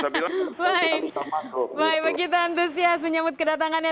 baik baik begitu antusias menyambut kedatangannya